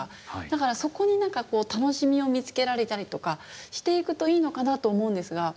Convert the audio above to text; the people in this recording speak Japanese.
だからそこに何かこう楽しみを見つけられたりとかしていくといいのかなと思うんですが。